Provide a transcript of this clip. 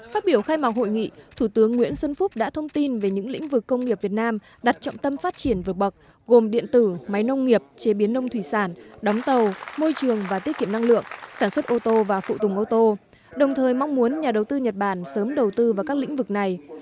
phát biểu khai mạc hội nghị thủ tướng nguyễn xuân phúc đã thông tin về những lĩnh vực công nghiệp việt nam đặt trọng tâm phát triển vượt bậc gồm điện tử máy nông nghiệp chế biến nông thủy sản đóng tàu môi trường và tiết kiệm năng lượng sản xuất ô tô và phụ tùng ô tô đồng thời mong muốn nhà đầu tư nhật bản sớm đầu tư vào các lĩnh vực này